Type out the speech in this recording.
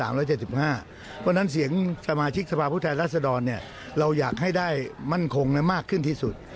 เพราะฉะนั้นเสียงสมาชิกสภาพผู้แทนรัศดรเราอยากให้ได้มั่นคงมากขึ้นที่สุด